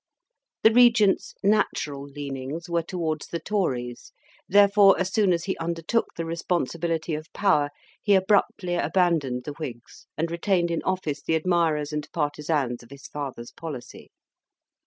The Regent's natural leanings were towards the Tories; therefore as soon as he undertook the responsibility of power, he abruptly abandoned the Whigs and retained in office the admirers and partisans of his father's policy.